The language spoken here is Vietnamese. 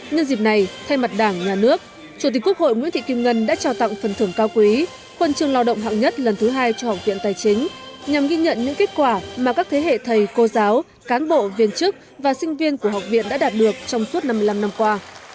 nhân dịp này thay mặt đảng nhà nước chủ tịch quốc hội nguyễn thị kim ngân đã trao tặng phần thưởng cao quý huân trường lao động hạng nhất lần thứ hai cho học viện tài chính nhằm ghi nhận những kết quả mà các thế hệ thầy cô giáo cán bộ viên chức và sinh viên của học viện đã đạt được trong suốt năm mươi năm năm qua